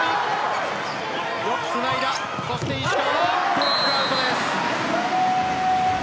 ブロックアウトです。